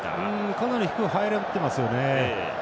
かなり、低く入られてますよね。